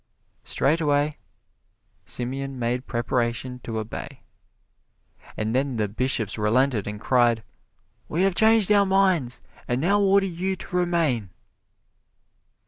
Straightway Simeon made preparation to obey. And then the Bishops relented and cried, "We have changed our minds, and now order you to remain!"